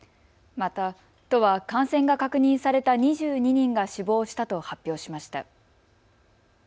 また都は感染が確認された２２人が死亡したと発表しました。